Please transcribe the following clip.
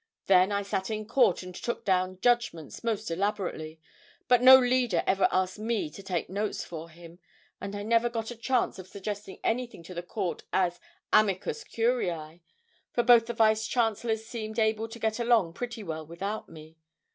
Then I sat in court and took down judgments most elaborately, but no leader ever asked me to take notes for him, and I never got a chance of suggesting anything to the court as amicus curiæ, for both the Vice Chancellors seemed able to get along pretty well without me.